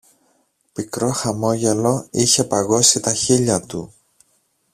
Πικρό χαμόγελο είχε παγώσει τα χείλια του.